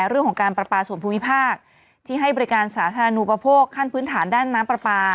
เรื่องของการประปาส่วนภูมิภาคที่ให้บริการสาธารณูประโภคขั้นพื้นฐานด้านน้ำปลาปลา